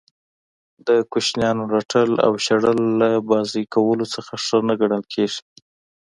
د کوچنیانو رټل او شړل له بازئ کولو څخه ښه نه ګڼل کیږي.